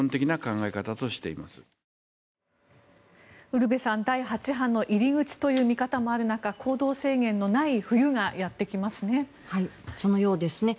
ウルヴェさん第８波の入り口という見方もある中行動制限のない冬がやってきますね。